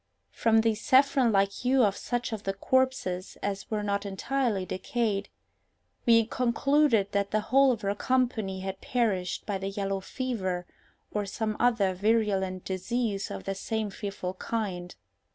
From the saffron like hue of such of the corpses as were not entirely decayed, we concluded that the whole of her company had perished by the yellow fever, or some other virulent disease of the same fearful kind.